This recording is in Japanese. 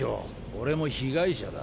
俺も被害者だ。